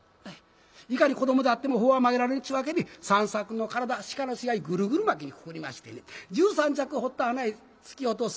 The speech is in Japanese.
いかに子どもであっても法は曲げられんちゅうわけで三作の体鹿の死骸グルグル巻きにくくりましてね十三尺掘った穴へ突き落とす。